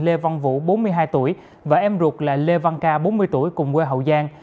lê văn vũ bốn mươi hai tuổi và em ruột là lê văn ca bốn mươi tuổi cùng quê hậu giang